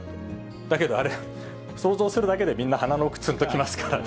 だけどあれ、想像するだけで、みんな鼻の奥、つんと来ますからね。